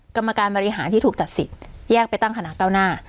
กรรมการบริหารที่ถูกตัดสิทธิแยกไปตั้งคณะเก้าหน้า